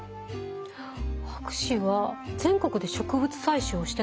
博士は全国で植物採集をしてたんですよね？